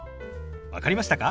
分かりましたか？